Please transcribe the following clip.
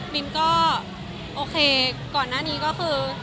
มินก็โอเคก่อนหน้านี้ก็คือ